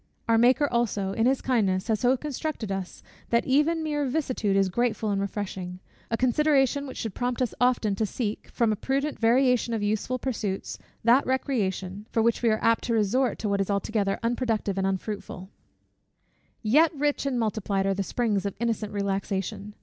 Our Maker also, in his kindness, has so constructed us, that even mere vicissitude is grateful and refreshing a consideration which should prompt us often to seek, from a prudent variation of useful pursuits, that recreation, for which we are apt to resort to what is altogether, unproductive and unfruitful. Yet rich and multiplied are the springs of innocent relaxation.